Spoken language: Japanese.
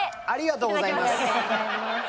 ありがとうございます。